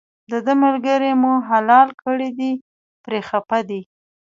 دده ملګری مو حلال کړی دی پرې خپه دی.